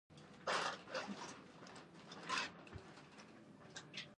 زړور، هیواد پالونکی او با احساسه سړی و.